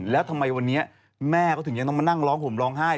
แล้วทำไมวันนี้แม่เขาถึงยังต้องมานั่งร้องห่มร้องไห้